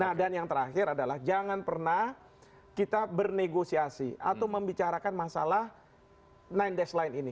nah dan yang terakhir adalah jangan pernah kita bernegosiasi atau membicarakan masalah sembilan desline ini